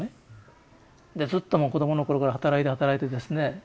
ずっともう子供の頃から働いて働いてですね